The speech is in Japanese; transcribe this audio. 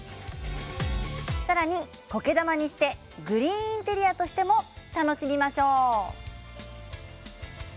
さらに、こけ玉にしてグリーンインテリアとしても楽しみましょう。